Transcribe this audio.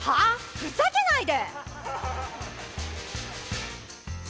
ふざけないで！